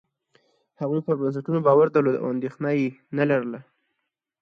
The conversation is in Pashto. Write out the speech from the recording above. هغوی پر بنسټونو باور درلود او اندېښنه یې نه لرله.